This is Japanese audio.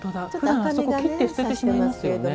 切って捨ててしまいますよね。